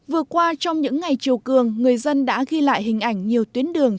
vừa qua trong những ngày chiều cường người dân đã ghi lại hình ảnh nhiều tuyến đường